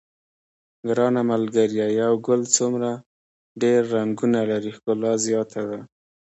ګرانه ملګریه یو ګل څومره ډېر رنګونه لري ښکلا زیاته ده.